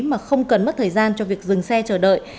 mà không cần mất thời gian cho việc dừng xe chờ đợi